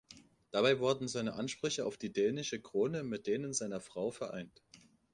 Dabei wurden seine Ansprüche auf die dänische Krone mit denen seiner Frau vereint.